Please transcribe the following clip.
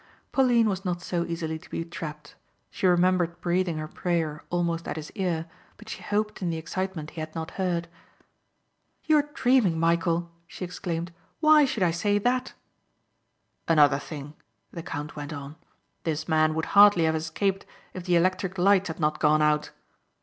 Pauline was not so easily to be trapped. She remembered breathing her prayer almost at his ear but she hoped in the excitement he had not heard. "You are dreaming Michæl," she exclaimed. "Why should I say that?" "Another thing," the count went on. "This man would hardly have escaped if the electric lights had not gone out."